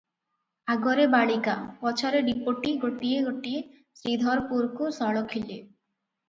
ଆଗରେ ବାଳିକା, ପଛରେ ଡିପୋଟି ଗୋଟିଏ ଗୋଟିଏ ଶ୍ରୀଧରପୁରକୁ ସଳଖିଲେ ।